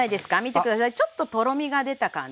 ちょっととろみが出た感じ。